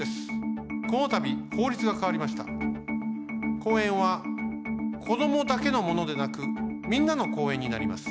公園はこどもだけのものでなくみんなの公園になります。